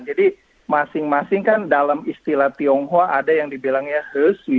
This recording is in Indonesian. jadi masing masing kan dalam istilah tionghoa ada yang dibilangnya he sui pu wan ching sui